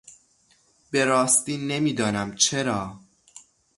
به راستی نمیدانم چرا...